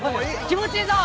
気持ちいいぞ！